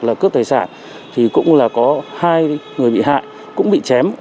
là cướp tài sản thì cũng là có hai người bị hại cũng bị chém